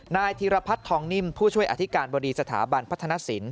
นายธีรพัฒน์ทองนิ่มผู้ช่วยอธิการบดีสถาบันพัฒนศิลป